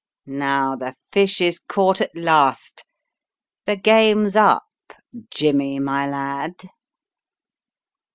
Now the fish is caught at last. The game's up, Jimmy my lad."